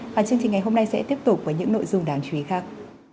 và chương trình ngày hôm nay sẽ tiếp tục với những nội dung đáng chú ý khác